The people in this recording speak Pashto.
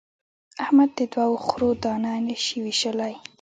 احمد د دوو خرو دانه نه شي وېشلای.